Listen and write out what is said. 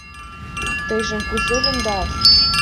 Тыйжым кузе лӱмдат?